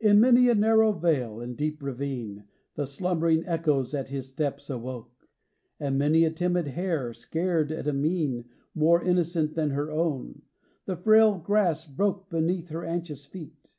XXII. In many a narrow vale and deep ravine The slumbering echoes at his steps awoke; And many a timid hare, scared at a mien More innocent than her own, the frail grass broke Beneath her anxious feet.